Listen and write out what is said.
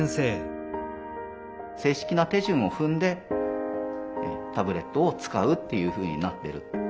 正式な手順を踏んでタブレットを使うっていうふうになってる。